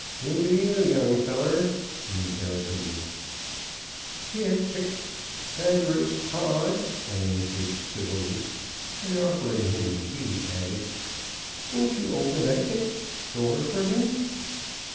"Who be you, young feller?" he interrogated. "Pyth (hic) thagoras Pod," I answered, civilly; and offering him the key, added, "Won't you open the (hic) door for me?"